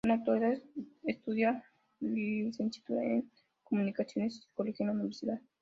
En la actualidad estudia licenciatura en comunicaciones y psicología en la universidad.